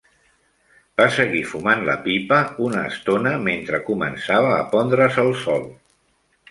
Van seguir fumant la pipa una estona mentre començava a pondre's el sol.